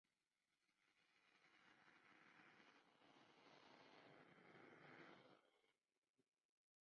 She permitted that they could.